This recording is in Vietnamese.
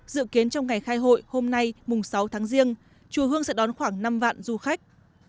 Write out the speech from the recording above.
dự kiến trong ngày khai hội hôm nay mùng sáu tháng riêng chùa hương sẽ đón khoảng năm vạn du khách